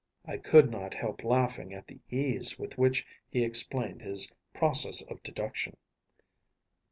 ‚ÄĚ I could not help laughing at the ease with which he explained his process of deduction.